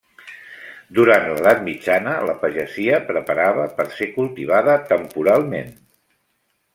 Durant l'edat mitjana la pagesia preparava per ser cultivada temporalment.